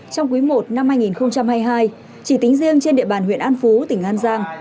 trong quý i năm hai nghìn hai mươi hai chỉ tính riêng trên địa bàn huyện an phú tỉnh an giang